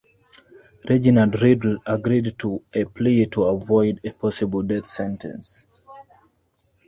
Reginald Riddle agreed to a plea to avoid a possible death sentence.